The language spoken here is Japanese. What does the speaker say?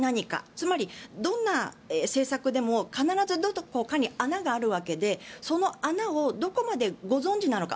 つまり、どんな政策でも必ずどこかに穴があるわけでその穴をどこまでご存じなのか。